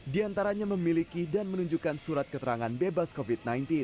di antaranya memiliki dan menunjukkan surat keterangan bebas covid sembilan belas